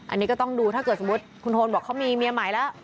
อันนี้ก็ต้องดูถ้าเกิดสมมุติคุณโทนบอกเขามีเมียใหม่แล้ว